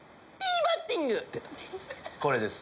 これです。